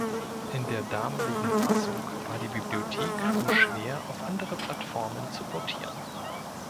In der damaligen Fassung war die Bibliothek nur schwer auf andere Plattformen zu portieren.